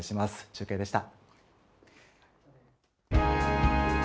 中継でした。